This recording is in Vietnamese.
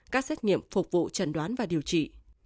các xét nghiệm phục vụ trần đoán và điều trị